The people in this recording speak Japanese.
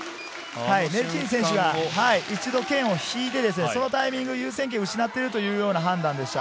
メルチーヌ選手が、一度、剣を引いて、そのタイミング優先権失っているという判断でした。